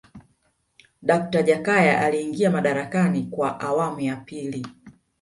dakta jakaya aliingia madarakani kwa awamu ya pili